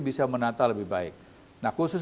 bisa menata lebih baik nah khusus